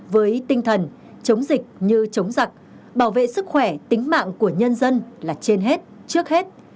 với tinh thần chống dịch như chống giặc bảo vệ sức khỏe tính mạng của nhân dân là trên hết trước hết